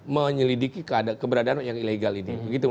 menyelidiki keberadaan yang ilegal ini begitu mas